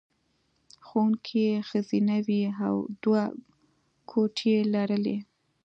ښوونکې یې ښځینه وې او دوه کوټې یې لرلې